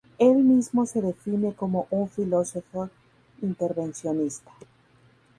Él mismo se define como un "filósofo intervencionista".